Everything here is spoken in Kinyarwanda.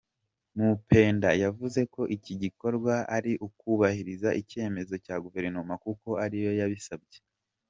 Mupenda yavuze ko iki gikorwa ari ukubahiriza icyemezo cya Guverinoma kuko ari yo yabisabye.